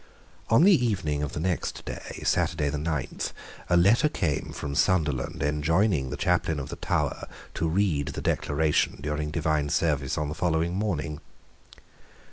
On the evening of the next day, Saturday the ninth, a letter came from Sunderland enjoining the chaplain of the Tower to read the Declaration during divine service on the following morning.